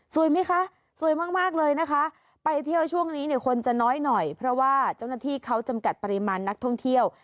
ไหมคะสวยมากเลยนะคะไปเที่ยวช่วงนี้เนี่ยคนจะน้อยหน่อยเพราะว่าเจ้าหน้าที่เขาจำกัดปริมาณนักท่องเที่ยว